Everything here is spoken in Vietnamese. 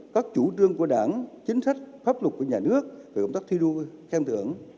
các chủ trương của đảng chính sách pháp luật của nhà nước về công tác thi đua khen thưởng